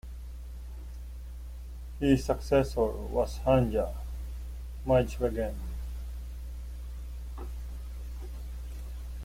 His successor was Hanja Maij-Weggen.